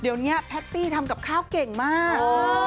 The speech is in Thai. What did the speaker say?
เดี๋ยวนี้แพตตี้ทำกับข้าวเก่งมาก